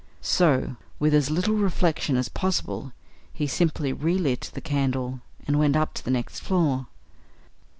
So, with as little reflection as possible, he simply relit the candle and went up to the next floor.